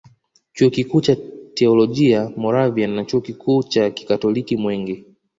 Chuo kikuu cha Teolojia Moravian na Chuo kikuu cha kikatoliki Mwenge